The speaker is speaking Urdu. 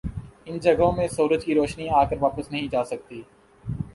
ان جگہوں میں سورج کی روشنی آکر واپس نہیں جاسکتی ۔